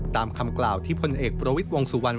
ตามคำกล่าวที่พลเอกประวิทย์วงสุวรรณ